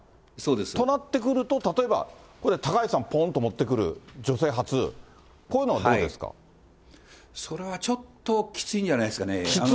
となってくると、例えば、これ、高市さん、ぽんと持ってくる、女性初、それはちょっときついんじゃきつい？